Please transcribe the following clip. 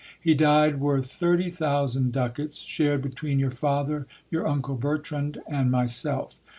He died worth thirty thousand ducats, shared between your father, your uncle Bertrand, and myself.